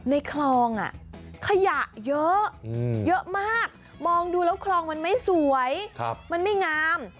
ในคลองขยะเยอะเยอะมากมองดูแล้วคลองมันไม่สวยมันไม่งาม